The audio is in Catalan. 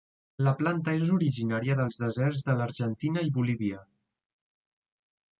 La planta és originària dels deserts de l'Argentina i Bolívia.